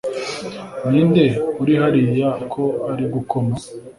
ninde uri hariya ko ari gukoma?